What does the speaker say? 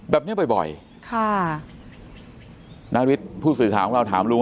แบบนี้บ่อยค่ะนาริสต์ผู้สื่อสถานของเราถามลุง